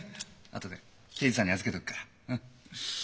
あとで刑事さんに預けとくから。